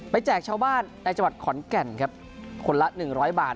ไปแจกชาวบ้านในจังหวัดขอร์นแก่นครับคนละหนึ่งร้อยบาท